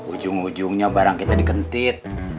ujung ujungnya barang kita dikentit